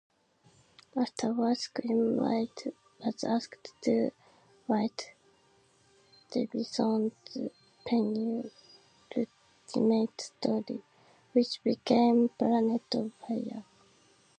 Afterwards, Grimwade was asked to write Davison's penultimate story, which became "Planet of Fire".